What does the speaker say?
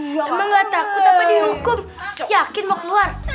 hah emang nggak takut apa dihukum yakin mau keluar